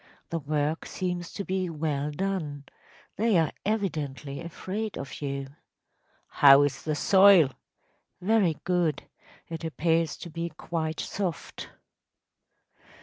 The work seems to be well done. They are evidently afraid of you.‚ÄĚ “How is the soil?‚ÄĚ “Very good. It appears to be quite soft.